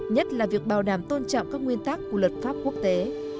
nhất là việc bảo đảm tôn trọng các nguyên tắc của luật pháp quốc tế